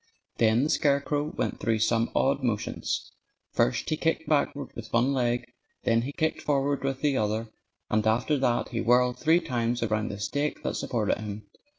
Then the scarecrow went through some odd motions. First he kicked backward with one leg; then he kicked forward with the other; and after that he whirled three times around the stake that supported him.